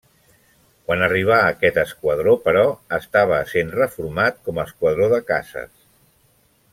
Quan arribà a aquest esquadró però, estava essent reformat com a esquadró de caces.